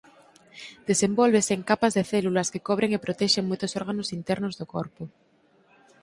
Desenvólvese en capas de células que cobren e protexen moitos órganos internos do corpo.